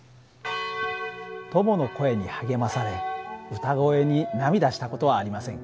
友の声に励まされ歌声に涙した事はありませんか？